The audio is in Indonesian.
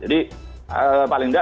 jadi paling enggak